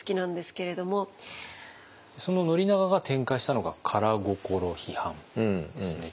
その宣長が展開したのが「漢意」批判ですよね。